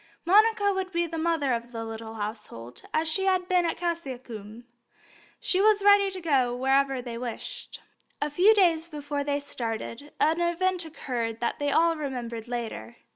Monica would be the mother of the little household, as she had been at Cassiacum; she was ready to go wherever they wished. A few days before they started an event occurred which they all remembered later.